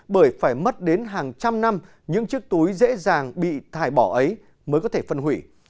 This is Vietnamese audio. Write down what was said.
bởi phải mất đến hàng trăm năm những chiếc túi dễ dàng bị thải bỏ ấy mới có thể phân hủy